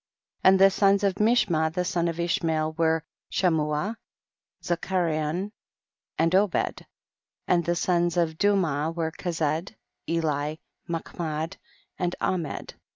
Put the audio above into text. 24. And the sons of Mishmatheson of Ishmael were Shamua, Zecaryon and Obed ; and the sons of Dumah were Kezcd, Eli, Machmad* and Amed.